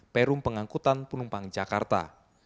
perum pengangkutan penumpang jakarta